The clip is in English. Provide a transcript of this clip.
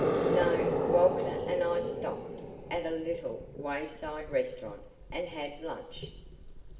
"No. Walter and I stopped at a little wayside restaurant and had lunch.